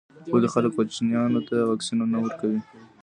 ولي خلګ کوچنیانو ته واکسین نه ورکوي.